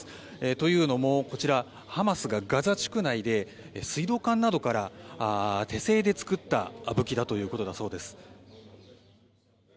というのもこちらハマスがガザ地区内で水道管などから手製で作った武器だということです。